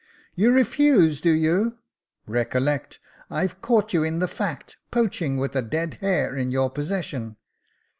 " You refuse, do you ? Recollect I've caught you ia the fact, poaching, with a dead hare in your possession."